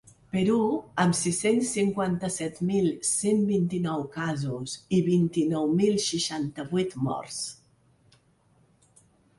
Perú, amb sis-cents cinquanta-set mil cent vint-i-nou casos i vint-i-nou mil seixanta-vuit morts.